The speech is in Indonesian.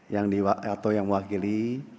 yang di atau yang mewakili